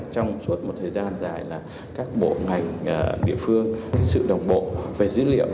trong suốt một thời gian dài là các bộ ngành địa phương sự đồng bộ về dữ liệu